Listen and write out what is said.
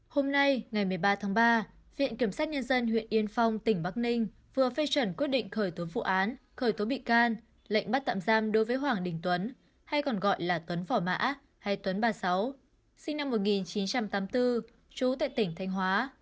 hôm nay ngày một mươi ba tháng ba viện kiểm sát nhân dân huyện yên phong tỉnh bắc ninh vừa phê chuẩn quyết định khởi tố vụ án khởi tố bị can lệnh bắt tạm giam đối với hoàng đình tuấn hay còn gọi là tuấn phỏ mã hay tuấn ba mươi sáu sinh năm một nghìn chín trăm tám mươi bốn trú tại tỉnh thanh hóa